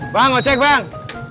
bang ojek bang